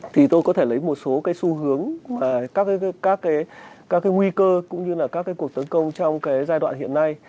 thì tôi có thể lấy một số cái xu hướng các cái nguy cơ cũng như là các cái cuộc tấn công trong cái giai đoạn hiện nay